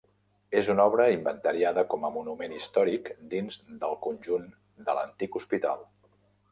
És una obra inventariada com a monument històric dins del conjunt de l'Antic Hospital.